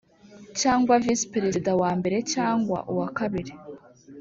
cyangwa Visi Perezida wa mbere cyangwa uwa kabiri